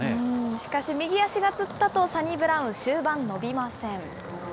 しかし、右足がつったとサニブラウン、終盤伸びません。